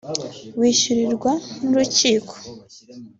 yishyurirwa n’urukiko